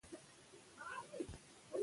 غرونه د افغانستان طبعي ثروت دی.